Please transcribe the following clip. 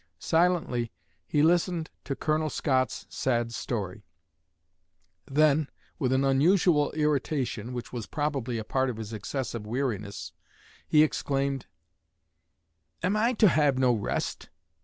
Silently he listened to Colonel Scott's sad story; then, with an unusual irritation, which was probably a part of his excessive weariness, he exclaimed: "Am I to have no rest?